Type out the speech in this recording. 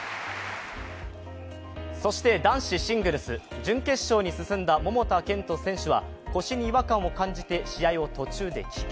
そして男子シングルス、準決勝に進んだ桃田賢斗選手は腰に違和感を感じて試合を途中で棄権。